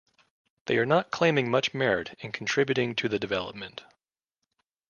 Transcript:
We are not claiming much merit in contributing to the development.